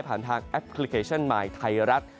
ทางแอปพลิเคชันมายไทยรัฐ